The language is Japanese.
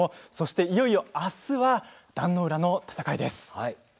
いよいよ、あすは壇ノ浦の戦いです。